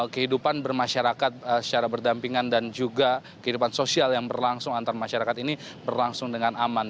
kehidupan bermasyarakat secara berdampingan dan juga kehidupan sosial yang berlangsung antar masyarakat ini berlangsung dengan aman